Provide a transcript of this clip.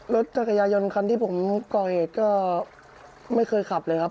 รถจักรยานยนต์คันที่ผมก่อเหตุก็ไม่เคยขับเลยครับ